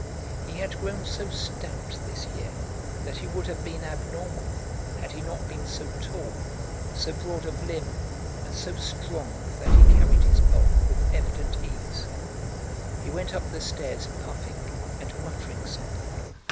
He had grown so stout this year that he would have been abnormal had he not been so tall, so broad of limb, and so strong that he carried his bulk with evident ease. He went up the stairs, puffing and muttering something.